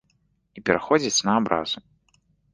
І пераходзіць на абразы.